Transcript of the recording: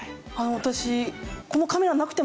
私。